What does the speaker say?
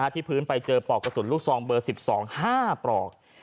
ที่พื้นไปเจอปลอกกระสุนลูกซองเบอร์๑๒๕ปลอก